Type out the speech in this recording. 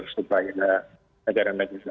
supaya negara negara bisa